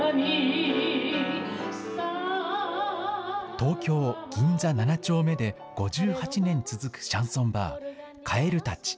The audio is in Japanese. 東京・銀座７丁目で５８年続くシャンソンバー、蛙たち。